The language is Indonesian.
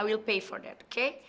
gue akan bayar untuk itu oke